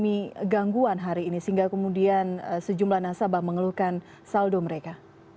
mengalami gangguan hari ini sehingga kemudian sejumlah nasabah mengeluhkan saldo mereka